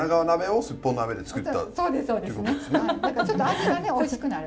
ちょっと味がねおいしくなる。